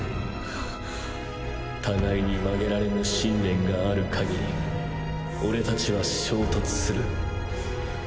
互いに曲げられぬ信念がある限りオレたちは衝突する。